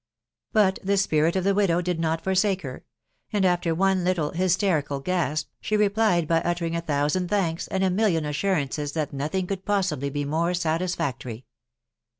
. But the spirit of the widow did not forsake her ; and, after one little hysterical gasp, she replied by uttering a thousand thanks, and a million assurances that nothing could possibly be more satisfactory.